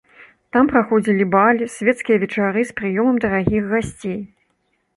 Там праходзілі балі, свецкія вечары з прыёмам дарагіх гасцей.